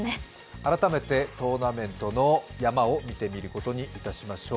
改めてトーナメントの山を見てみることにいたしましょう。